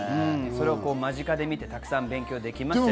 それを間近で見て、たくさん勉強できましたし。